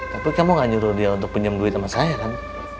tapi kamu gak nyuruh dia untuk pinjam duit sama saya kan